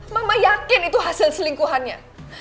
mama yakin itu hasil selingkuhannya